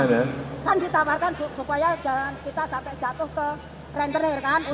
kan ditawarkan supaya jalan kita sampai jatuh ke rentenir kan